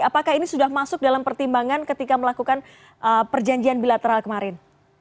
apakah ini sudah masuk dalam pertimbangan ketika melakukan perjanjian bilateral kemarin